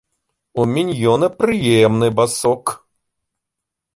У міньёна прыемны басок.